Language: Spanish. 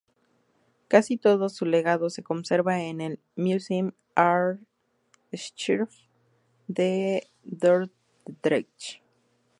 Casi todo su legado se conserva en el Museum Ary Scheffer de Dordrecht.